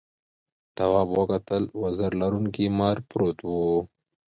تواب وکتل وزر لرونکي مار پروت و.